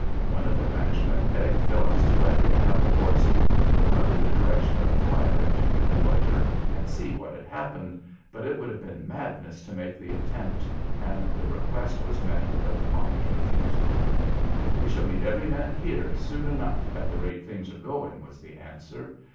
One of the ranchmen begged Phillips to let him have a horse and go out in the direction of the firing to reconnoitre and see what had happened, but it would have been madness to make the attempt, and the request was met with a prompt refusal. "We shall need every man here soon enough at the rate things are going," was the answer.